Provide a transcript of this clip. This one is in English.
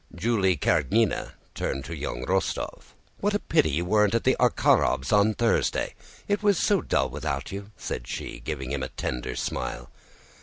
Julie Karágina turned to young Rostóv. "What a pity you weren't at the Arkhárovs' on Thursday. It was so dull without you," said she, giving him a tender smile.